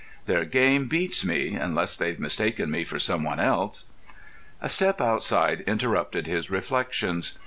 Their game beats me, unless they've mistaken me for someone else." A step outside interrupted his reflections.